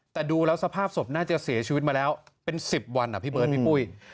แต่ดูแล้วสภาพศพน่าจะเสียชีวิตมาแล้วเป็น๑๐วันพี่เบิร์ดพี่ปุ้ย